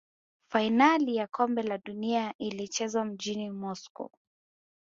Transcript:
fainali ya kombe la dunia ilichezwa mjini moscow